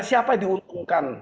siapa yang diuntungkan